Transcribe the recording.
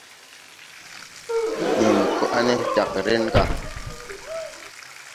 Nen ko à ge, jāg ree ga.